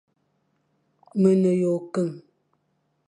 Me ne yʼôkeñ,